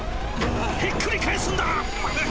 ひっくり返すんだ！